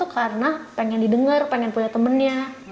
biasanya mereka nelpon itu karena pengen didengar pengen punya temannya